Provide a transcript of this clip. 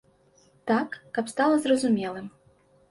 Так, каб стала зразумелым.